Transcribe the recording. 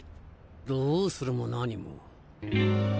どうするも何も。